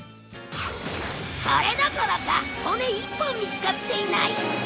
それどころか骨一本見つかっていない！